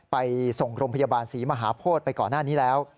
ไปส่งโรงพยาบาลศรีมหาโพธิไปก่อนหน้านี้แล้ว